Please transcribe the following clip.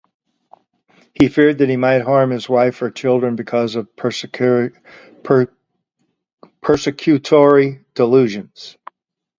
He feared that he might harm his wife or children because of persecutory delusions.